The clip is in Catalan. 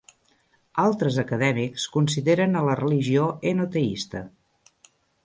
Altres acadèmics consideren a la religió henoteista.